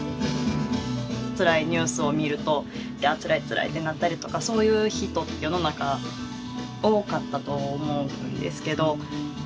つらいニュースを見るとあつらいつらいってなったりとかそういう人世の中多かったと思うんですけど。